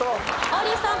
王林さん。